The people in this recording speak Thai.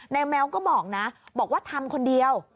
แมวก็บอกนะบอกว่าทำคนเดียว